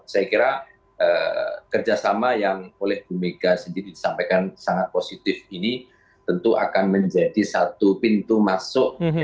saya kira kerjasama yang oleh bu mega sendiri disampaikan sangat positif ini tentu akan menjadi satu pintu masuk